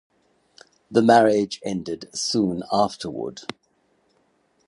The marriage ended soon afterward.